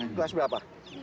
nanti kelas berapa